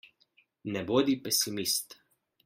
Ne bodi pesimist!